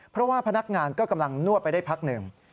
เพราะว่าพนักงานก็กำลังนวดไปได้พักหนึ่ง